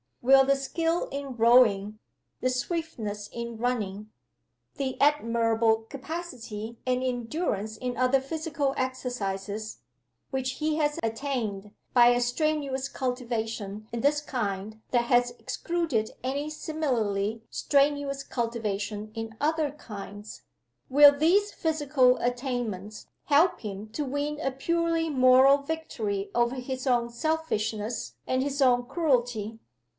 Will the skill in rowing, the swiftness in running, the admirable capacity and endurance in other physical exercises, which he has attained, by a strenuous cultivation in this kind that has excluded any similarly strenuous cultivation in other kinds will these physical attainments help him to win a purely moral victory over his own selfishness and his own cruelty?